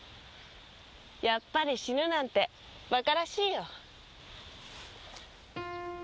やっぱり死ぬなんてバカらしいよ。